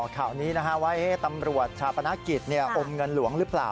ข่าวนี้ว่าตำรวจชาปนกิจอมเงินหลวงหรือเปล่า